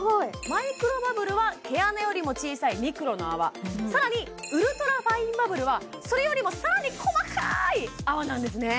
マイクロバブルは毛穴よりも小さいミクロの泡さらにウルトラファインバブルはそれよりもさらに細かい泡なんですね